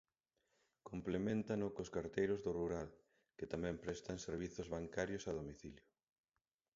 Compleméntano cos carteiros do rural, que tamén prestan servizos bancarios a domicilio.